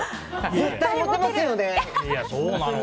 絶対モテますよね？